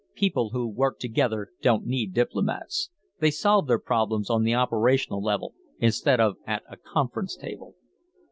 "People who work together don't need diplomats. They solve their problems on the operational level instead of at a conference table."